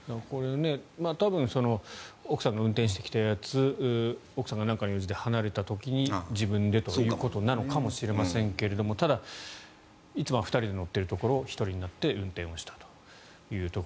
多分奥さんが運転してきたやつ奥さんが何かの用事で離れた時に自分でということなのかもしれませんけれどもただ、いつもは２人で乗っているところ１人になってしまって運転したと。